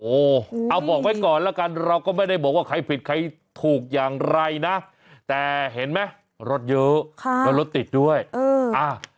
โอ้โหเอาบอกไว้ก่อนแล้วกันเราก็ไม่ได้บอกว่าใครผิดใครถูกอย่างไรนะแต่เห็นไหมรถเยอะค่ะแล้วรถติดด้วยเอออ่า